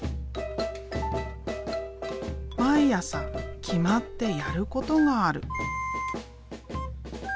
毎朝決まってやることがある。